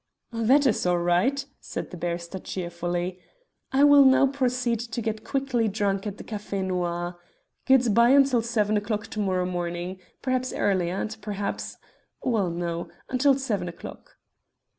"That is all right," said the barrister cheerfully. "I will now proceed to get quietly drunk at the Café Noir. Good bye until seven o'clock to morrow morning perhaps earlier, and perhaps well, no until seven o'clock!"